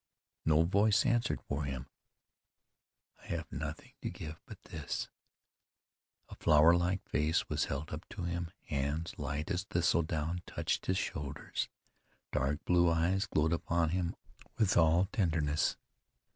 No voice answered for him. "I have nothing to give but this." A flower like face was held up to him; hands light as thistledown touched his shoulders; dark blue eyes glowed upon him with all tenderness.